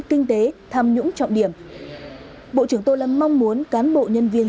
kinh tế tham nhũng trọng điểm bộ trưởng tô lâm mong muốn cán bộ nhân viên